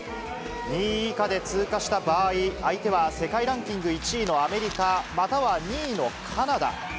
２位以下で通過した場合、相手は世界ランキング１位のアメリカ、または２位のカナダ。